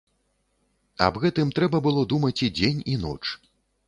Аб гэтым трэба было думаць і дзень і ноч.